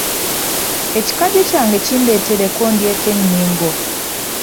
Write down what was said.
Ekikajjo kyange kindeetereko ndyeko ennyingo.